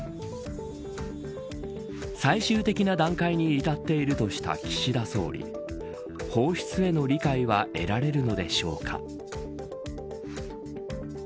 最終的な段階に至っているとした岸田総理放出への理解は得られるのでしょうか。